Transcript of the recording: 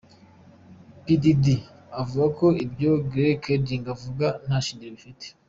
P Diddy avuga ko ibyo Greg Kading avuga nta shingiro bifite.